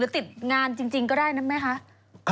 ติดงานจริงก็ได้นั้นไหมคะ